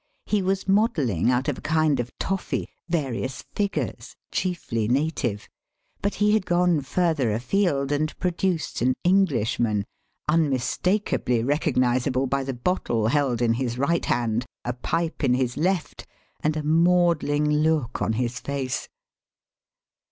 He was modelling out of a kind of tofiy various figures, chiefly native ; but he had gone farther afield and produced an Englishman, unmistakably^ recognizable by the bottle held in his right hand, a pipe in his left, and a maudling look on his face.